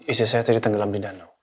istri saya tadi tenggelam di danau